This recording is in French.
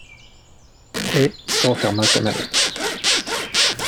Et il referma sa mallette